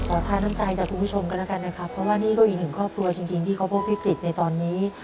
ทาน้ำใจจากคุณผู้ชมกันแล้วกันนะครับเพราะว่านี่ก็อีกหนึ่งครอบครัวจริงที่เขาพบวิกฤตในตอนนี้